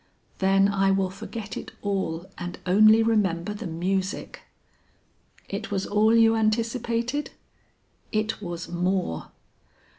"Then I will forget it all and only remember the music." "It was all you anticipated?" "It was more."